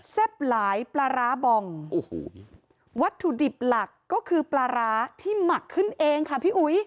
หลายปลาร้าบองโอ้โหวัตถุดิบหลักก็คือปลาร้าที่หมักขึ้นเองค่ะพี่อุ๋ย